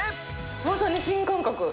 まさに新感覚。